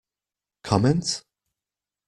Comment?